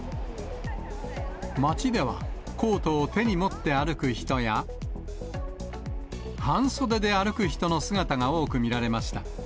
街では、コートを手に持って歩く人や、半袖で歩く人の姿が多く見られました。